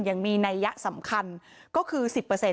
อย่างมีนัยสำคัญก็คือ๑๐